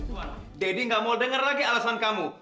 tuan daddy nggak mau denger lagi alasan kamu